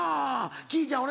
きいちゃん